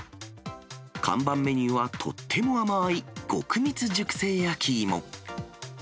看板メニューは、とっても甘い、極蜜熟成焼き芋。